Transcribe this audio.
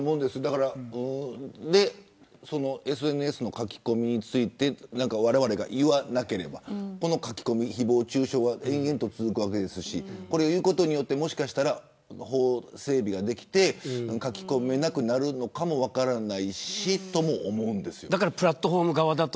ＳＮＳの書き込みについてわれわれが言わなければこの書き込み、誹謗中傷は延々と続くわけですしこれを言うことによってもしかしたら法整備ができて書き込めなくなるかも分からないしとも思うんです。